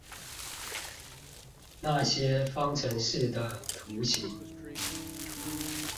那些方程式的圖形